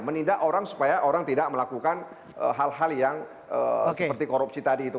menindak orang supaya orang tidak melakukan hal hal yang seperti korupsi tadi itu